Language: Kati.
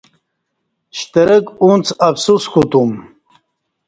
.شترک اُڅ افسوس کوتوم